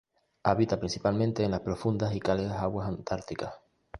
Habita principalmente en las profundas y cálidas aguas antárticas.